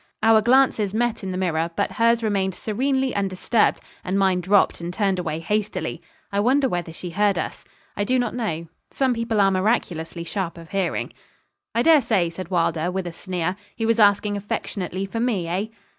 Our glances met in the mirror; but hers remained serenely undisturbed, and mine dropped and turned away hastily. I wonder whether she heard us. I do not know. Some people are miraculously sharp of hearing. 'I dare say,' said Wylder, with a sneer, 'he was asking affectionately for me, eh?'